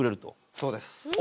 そうです。